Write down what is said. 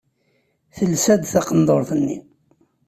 Telsa-d taqendurt-nni.